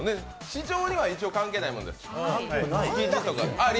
市場には一応関係ないものです。